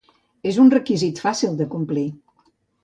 És un requisit fàcil de complir.